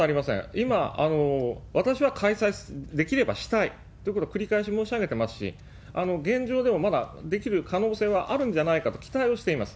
今、私は開催できればしたいということは繰り返し申し上げてますし、現状でもまだできる可能性はあるんじゃないかと期待をしています。